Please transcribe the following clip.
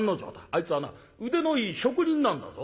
あいつはな腕のいい職人なんだぞ。